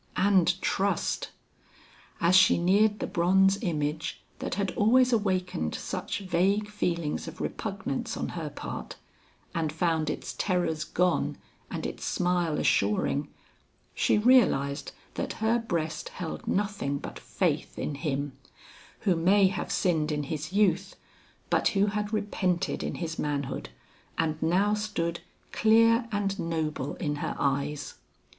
And trust! As she neared the bronze image that had always awakened such vague feelings of repugnance on her part, and found its terrors gone and its smile assuring, she realized that her breast held nothing but faith in him, who may have sinned in his youth, but who had repented in his manhood, and now stood clear and noble in her eyes.